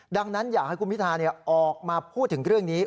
ดังนั้นอยากให้คุณพิธาออกมาพูดถึงเรื่องนี้